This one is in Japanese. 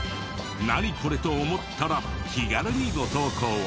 「ナニコレ？」と思ったら気軽にご投稿を。